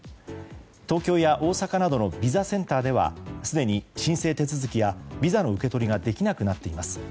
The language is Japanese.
東京や大阪などのビザセンターではすでに申請手続きやビザの受け取りができなくなっています。